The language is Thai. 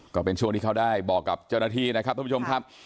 ก็เป็นช่วงที่เขาได้บอกกับเจ้าหน้าที่นะครับท่านผู้ชมครับ